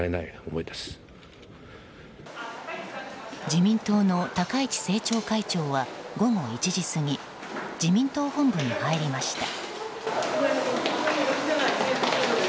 自民党の高市政調会長は午後１時すぎ自民党本部に入りました。